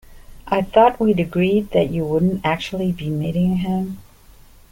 I thought we'd agreed that you wouldn't actually be meeting him?